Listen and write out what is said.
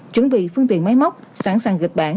chuẩn bị phương tiện máy móc sẵn sàng kịch bản